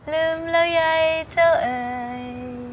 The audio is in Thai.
ลืมแล้วใยเจ้าเอ่ย